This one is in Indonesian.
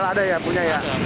ada ya punya ya